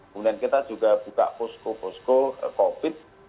kemudian kita juga buka pusku pusku covid sembilan belas